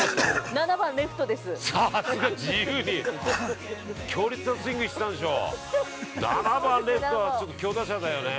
７番レフトは、ちょっと強打者だよね。